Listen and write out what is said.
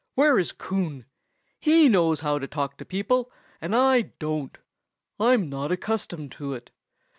Where is Coon? He knows how to talk to people, and I don't. I'm not accustomed to it.